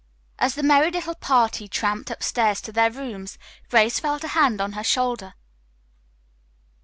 As the merry little party tramped upstairs to their rooms, Grace felt a hand on her shoulder.